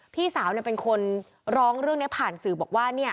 พี่สาวเป็นคนร้องเรื่องนี้ผ่านสื่อบอกว่า